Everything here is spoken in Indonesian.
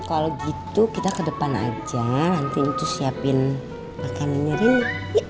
kalau gitu kita ke depan aja nanti entus siapin makanannya rini